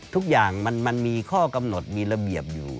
ทุกอย่างมันมีข้อกำหนดมีระเบียบอยู่